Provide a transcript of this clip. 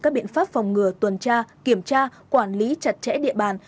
các biện pháp phòng ngừa tuần tra kiểm tra quản lý chặt chẽ địa bàn